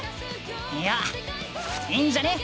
いやいいんじゃね？